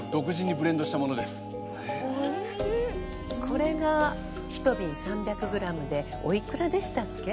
これが一瓶３００ｇでお幾らでしたっけ？